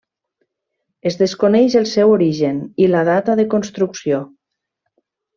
Es desconeix el seu origen i la data de construcció.